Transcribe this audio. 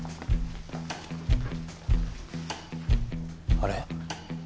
あれ？